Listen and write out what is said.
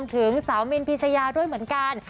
ถึงสาวมินพิชยาด้วยเหมือนกัน